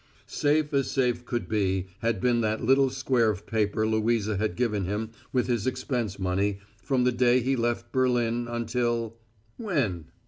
Safe as safe could be had been that little square of paper Louisa had given him with his expense money, from the day he left Berlin until when?